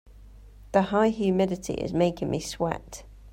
The high humidity is making me sweat.